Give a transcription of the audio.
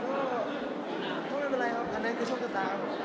ไม่เป็นไรครับอันใดคือชมจตา